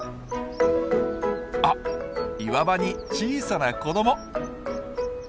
あっ岩場に小さな子ども！